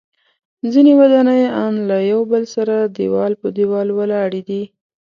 ځینې ودانۍ ان له یو بل سره دیوال په دیوال ولاړې دي.